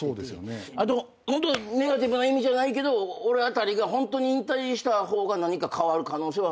あとネガティブな意味じゃないけど俺あたりがホントに引退した方が何か変わる可能性はあってうん。